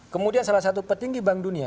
kemudian salah satu petinggi bank dunia